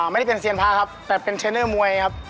ไม่ได้เป็นเซียนพระครับแต่เป็นเทรนเนอร์มวยครับ